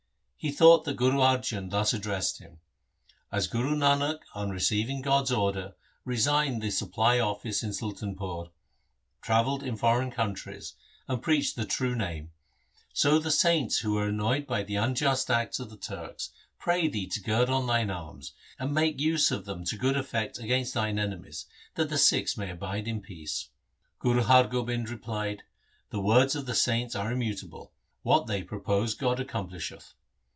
He thought that Guru Arjan thus addressed him —' As Guru Nanak on receiving God's order resigned the supply office in Sultanpur, travelled in foreign countries, and preached the true Name, so the saints who are annoyed by the unjust acts of the Turks, pray thee to gird on thine arms, and make use of them to good effect against thine enemies, that the Sikhs may abide in peace.' Guru Har Gobind replied, ' The words of the saints are immutable. What they propose God accomplisheth.